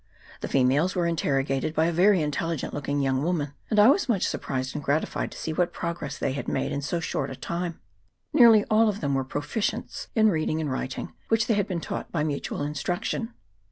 The females were interrogated by a very intelligent looking young woman ; and I was much surprised and gratified to see what progress they had made in so short a time. Nearly all of them were pro ficients in reading and writing, which they had been taught by mutual instruction.